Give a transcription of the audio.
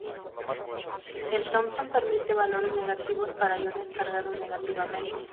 El thomson permite valores negativos para iones cargados negativamente.